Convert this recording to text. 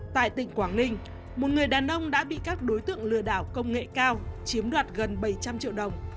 tại tỉnh quảng ninh một người đàn ông đã bị các đối tượng lừa đảo công nghệ cao chiếm đoạt gần bảy trăm linh triệu đồng